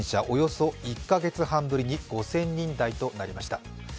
およそ１カ月ぶりに５０００人台となりました。